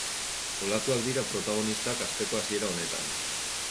Olatuak dira protagonistak asteko hasiera honetan.